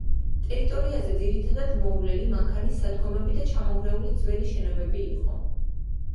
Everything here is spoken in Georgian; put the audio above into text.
ტერიტორიაზე ძირითადად მოუვლელი მანქანის სადგომები და ჩამონგრეული ძველი შენობები იყო.